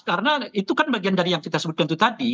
karena itu kan bagian dari yang kita sebutkan tadi